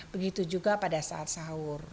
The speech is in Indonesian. begitu juga pada saat sahur